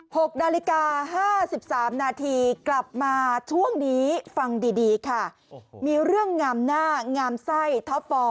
หกนาฬิกาห้าสิบสามนาทีกลับมาช่วงนี้ฟังดีดีค่ะโอ้โหมีเรื่องงามหน้างามไส้ท็อปฟอร์ม